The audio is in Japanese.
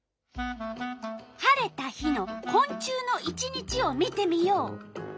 晴れた日のこん虫の１日を見てみよう。